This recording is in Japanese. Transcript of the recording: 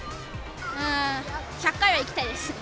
１００回は行きたいですね。